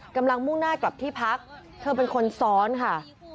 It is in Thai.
มุ่งหน้ากลับที่พักเธอเป็นคนซ้อนค่ะ